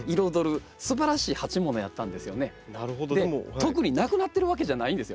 特になくなってるわけじゃないんですよ。